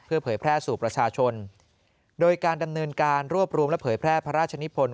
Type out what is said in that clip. เผยแพร่สู่ประชาชนโดยการดำเนินการรวบรวมและเผยแพร่พระราชนิพล